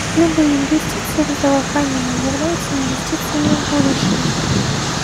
Любые инвестиции в здравоохранение являются инвестициями в будущее.